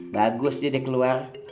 bagus dia deh keluar